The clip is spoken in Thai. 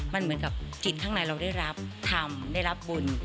มันเหมือนกับจิตข้างในเราได้รับทำได้รับบุญ